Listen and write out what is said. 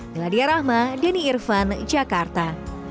miladia rahma denny irvan jakarta